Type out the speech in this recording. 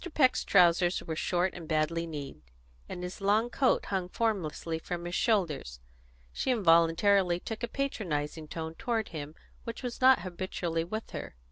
Peck's trousers were short and badly kneed, and his long coat hung formlessly from his shoulders; she involuntarily took a patronising tone toward him which was not habitual with her.